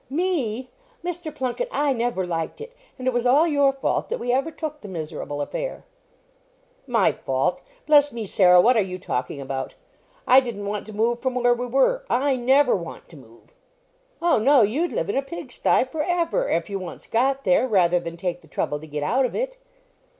"Me! Mr. Plunket, I never liked it; and it was all your fault that we ever took the miserable affair." "My fault! Bless me, Sarah, what are you talking about? I didn't want to move from where we were. I never want to move." "Oh, no, you'd live in a pigstye for ever, if you once got there, rather than take the trouble to get out of it."